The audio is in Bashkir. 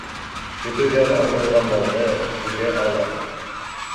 Көтөүҙән айырылған малды бүре алыр